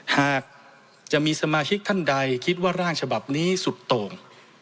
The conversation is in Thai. หากจะมีสมาชิกท่านใดคิดว่าร่างฉบับนี้สุดโต่ง